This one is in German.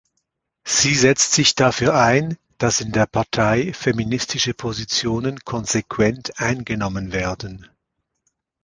Sie setzt sich dafür ein, dass in der Partei feministische Positionen konsequent eingenommen werden.